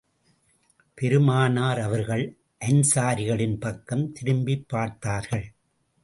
பெருமானார் அவர்கள் அன்சாரிகளின் பக்கம் திரும்பிப் பார்த்தார்கள்.